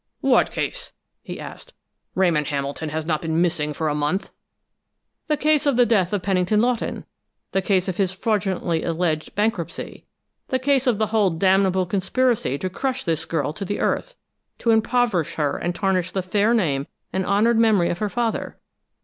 "What case?" he asked. "Ramon Hamilton has not been missing for a month." "The case of the death of Pennington Lawton! The case of his fraudulently alleged bankruptcy! The case of the whole damnable conspiracy to crush this girl to the earth, to impoverish her and tarnish the fair name and honored memory of her father.